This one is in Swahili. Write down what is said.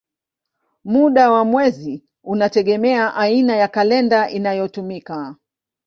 Muda wa mwezi unategemea aina ya kalenda inayotumika.